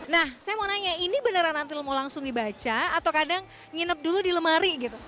nah saya mau nanya ini beneran nanti mau langsung dibaca atau kadang nginep dulu di lemari gitu